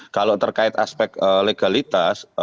kalau terkait aspek legalitas